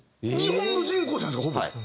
日本の人口じゃないですかほぼ。